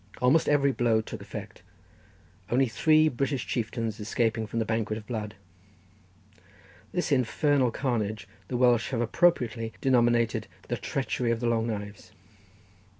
Almost every blow took effect; only three British chieftains escaping from the banquet of blood. This infernal carnage the Welsh have appropriately denominated the treachery of the long knives.